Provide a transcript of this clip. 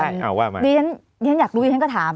นี้ฉันอยากรู้นี้ฉันก็ถาม